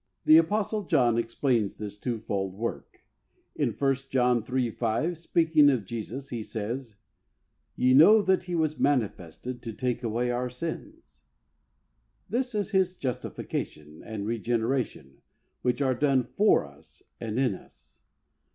The Apostle John explains this two fold work. In i John iii. 5, speaking of Jesus, he says, "Ye know that He was manifested to take away our sins.*^ This is His justification, and regeneration, which are done for us and in us.